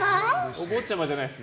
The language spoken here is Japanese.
お坊ちゃまじゃないです。